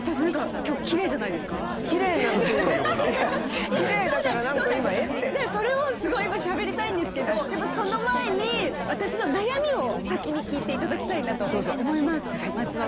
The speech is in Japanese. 今しゃべりたいんですけどでもその前に私の悩みを先に聞いて頂きたいなと思います。